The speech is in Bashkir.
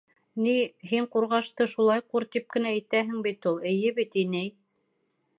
— Ни, һин ҡурғашты шулай «ҡур» тип кенә әйтәһең бит ул, эйе бит, инәй?